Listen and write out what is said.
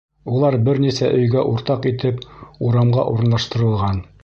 Улар бер нисә өйгә уртаҡ итеп урамға урынлаштырылған.